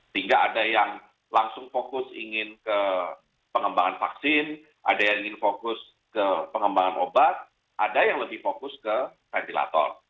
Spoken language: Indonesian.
sehingga ada yang langsung fokus ingin ke pengembangan vaksin ada yang ingin fokus ke pengembangan obat ada yang lebih fokus ke ventilator